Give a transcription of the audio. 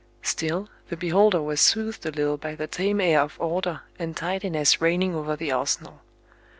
Still, the beholder was soothed a little by the tame air of order and tidiness reigning over the arsenal.